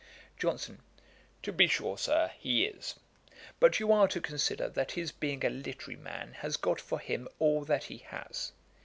JOHNSON. 'To be sure, Sir, he is; but you are to consider that his being a literary man has got for him all that he has.